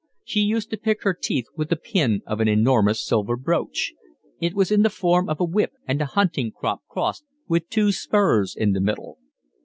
She used to pick her teeth with the pin of an enormous silver brooch. It was in the form of a whip and a hunting crop crossed, with two spurs in the middle.